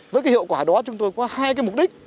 với cái hiệu quả đó chúng tôi có hai cái mục đích